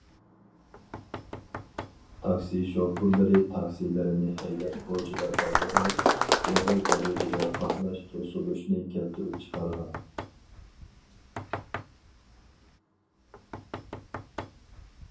تاكسى شوپۇرلىرى تاكسىلىرىنى ھەيدەپ كوچىلاردا يىغىلىپ، ئېغىر دەرىجىدە قاتناش توسۇلۇشنى كەلتۈرۈپ چىقارغان.